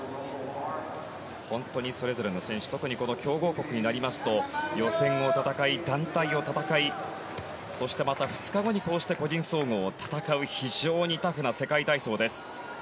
本当にそれぞれの選手特に強豪国になりますと予選を戦い、団体を戦いそして、また２日後に個人総合を戦う非常にタフな世界体操です。